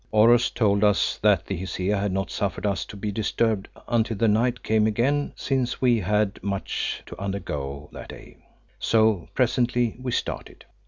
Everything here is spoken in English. Oros told us here that the Hesea had not suffered us to be disturbed until the night came again since we had much to undergo that day. So presently we started.